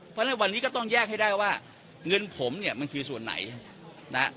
เพราะฉะนั้นวันนี้ก็ต้องแยกให้ได้ว่าเงินผมเนี่ยมันคือส่วนไหนนะ